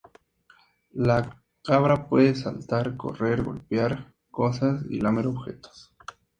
La cabra puede saltar, correr, golpear cosas y lamer objetos.